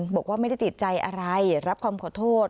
บอกว่าไม่ได้ติดใจอะไรรับคำขอโทษ